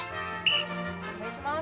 お願いします。